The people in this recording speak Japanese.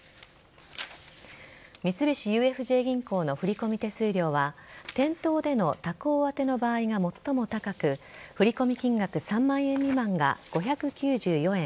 三菱ＵＦＪ銀行の振り込み手数料は店頭での他行宛の場合が最も高く振り込み金額３万円未満が５９４円